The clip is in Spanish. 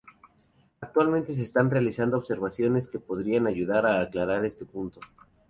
Actualmente se están realizando observaciones que podrían ayudar a aclarar este punto.